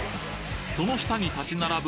その下に立ち並ぶ